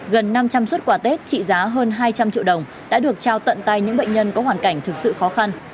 gần năm trăm linh xuất quà tết trị giá hơn hai trăm linh triệu đồng đã được trao tận tay những bệnh nhân có hoàn cảnh thực sự khó khăn